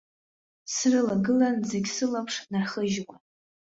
Срылагылан зегь сылаԥш нархыжьуа.